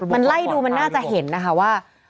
มันไล่ดูมันน่าจะเห็นนะคะว่า